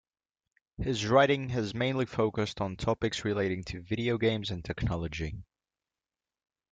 His writing has mainly focused on topics relating to video games and technology.